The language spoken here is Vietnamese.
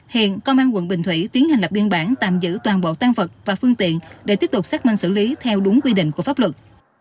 hiện công an quận bình thủy tiến hành lập biên bản tạm giữ toàn bộ tan vật và phương tiện để tiếp tục xác minh xử lý theo đúng quy định của pháp luật